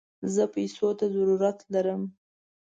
زه پيسوته ضرورت لم